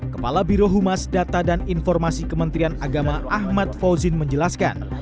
kepala birohumas data dan informasi kementerian agama ahmad fauzin menjelaskan